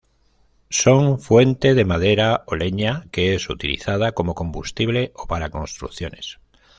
Son fuente de madera o leña que es utilizada como combustible o para construcciones.